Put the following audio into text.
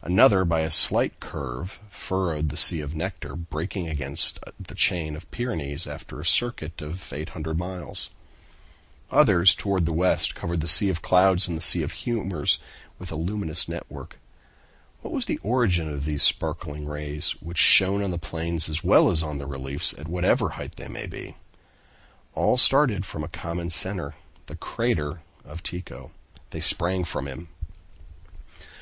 Another, by a slight curve, furrowed the "Sea of Nectar," breaking against the chain of Pyrenees, after a circuit of 800 miles. Others, toward the west, covered the "Sea of Clouds" and the "Sea of Humors" with a luminous network. What was the origin of these sparkling rays, which shone on the plains as well as on the reliefs, at whatever height they might be? All started from a common center, the crater of Tycho. They sprang from him.